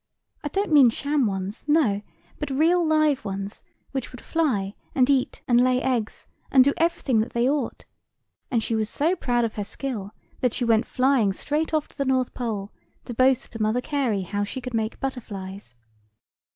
I don't mean sham ones; no: but real live ones, which would fly, and eat, and lay eggs, and do everything that they ought; and she was so proud of her skill that she went flying straight off to the North Pole, to boast to Mother Carey how she could make butterflies.